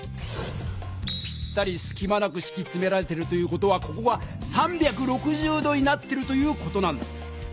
ぴったりすきまなくしきつめられてるという事はここが３６０度になってるという事なんだ。